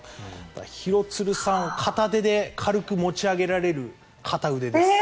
廣津留さんを片手で軽く持ち上げられる片腕です。